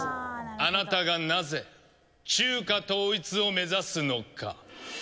あなたがなぜ中華統一を目指すのか。